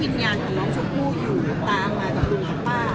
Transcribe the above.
วิญญาณของน้องชมพู่อยู่ตามมาจากตัวป้า